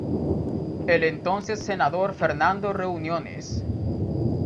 El entonces senador Fernando reuniones.